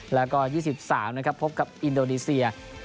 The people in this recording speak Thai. แล้วก็๒๓นะครับพบกับอินโดนีเซีย